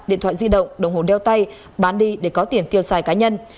điện thoại di động đồng hồn đeo tay bán đi để có tiền tiêu xài cá nhân